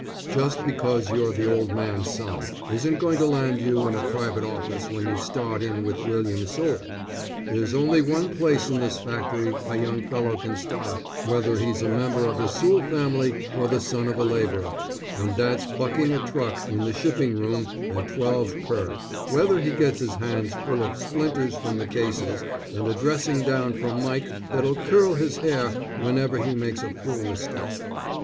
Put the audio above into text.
Just because you're the old man's son, isn't going to land you in a private office when you start in with William Soule. There's only one place in this factory a young fellow can start, whether he's a member of the Soule family or the son of a laborer, and that's bucking a truck in the shipping room at twelve per, where he'll get his hands full of splinters from the cases, and a dressing down from Mike that'll curl his hair whenever he makes a fool mistake.